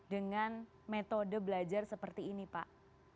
dengan metode belajar seperti ini pak